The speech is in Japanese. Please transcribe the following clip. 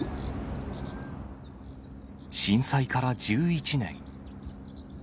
震災から１１年。